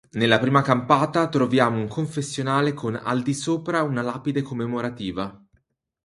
Nella prima campata troviamo un confessionale con al di sopra una lapide commemorativa.